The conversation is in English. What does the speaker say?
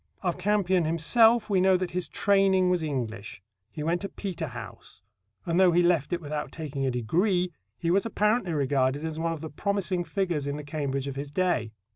Of Campion himself we know that his training was English. He went to Peterhouse, and, though he left it without taking a degree, he was apparently regarded as one of the promising figures in the Cambridge of his day.